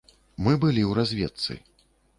Мы былі ў разведцы.